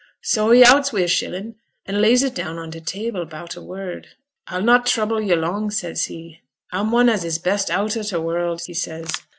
So he outs wi' a shillin', an' lays it down on t' table, 'bout a word. "A'll not trouble yo' long," says he. "A'm one as is best out o' t' world," he says.